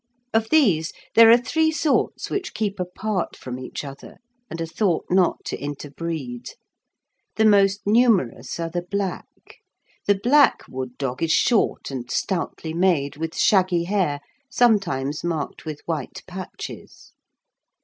Of these, there are three sorts which keep apart from each other, and are thought not to interbreed. The most numerous are the black. The black wood dog is short and stoutly made, with shaggy hair, sometimes marked with white patches.